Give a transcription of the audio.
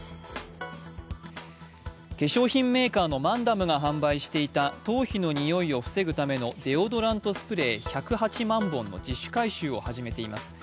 化粧品メーカーのマンダムが販売していた頭皮のにおいを防ぐためのデオドラントスプレー、１０８万本の自主回収を始めています。